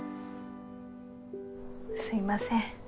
すいません。